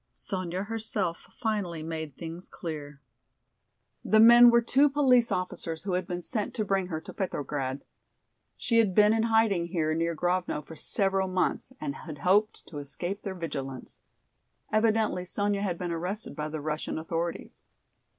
Sonya herself finally made things clear. The men were two police officers who had been sent to bring her to Petrograd. She had been in hiding here near Grovno for several months and had hoped to escape their vigilance. Evidently Sonya had been arrested by the Russian authorities.